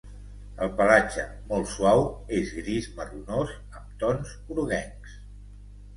El pelatge, molt suau, és gris marronós amb tons groguencs.